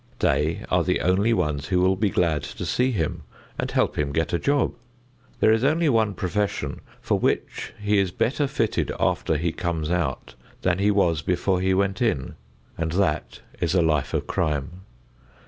They are the only ones who will be glad to see him and help him get a job. There is only one profession for which he is better fitted after he comes out than he was before he went in, and that is a life of crime.